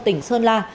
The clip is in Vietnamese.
tỉnh sơn la